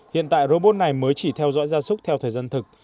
hiện tại robot này mới chỉ theo dõi gia súc theo thời gian thực